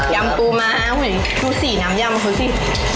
ยำปลูมากปลูสีน้ำยำเมื่อกี้